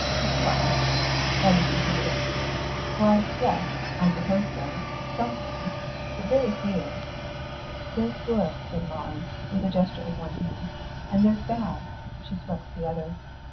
"Do I?" Eddy considered it. "Why, yes, I suppose so; some things. But very few." "There's good," said Molly, with a gesture of one hand, "and there's bad...." she swept the other.